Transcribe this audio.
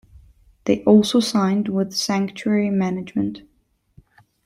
They also signed with Sanctuary Management.